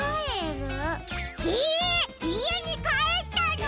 えいえにかえったの！？